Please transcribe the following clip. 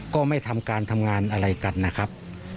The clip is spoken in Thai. ก็ไม่ทำการทำงานอะไรกันนะครับ